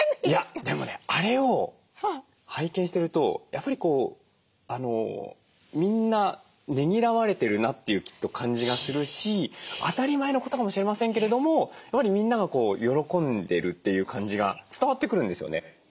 いやでもねあれを拝見してるとやっぱりこうみんなねぎらわれてるなっていうきっと感じがするし当たり前のことかもしれませんけれどもやはりみんなが喜んでるっていう感じが伝わってくるんですよね。